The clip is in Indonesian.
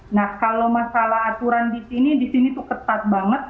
nah kalau masalah aturan di sini di sini tuh ketat banget